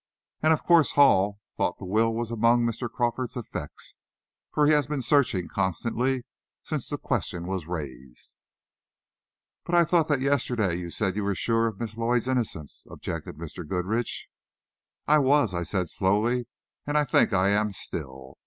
And of course Hall thought the will was among Mr. Crawford's effects, for he has been searching constantly since the question was raised." "But I thought that yesterday you were so sure of Miss Lloyd's innocence," objected Mr. Goodrich. "I was," I said slowly, "and I think I am still.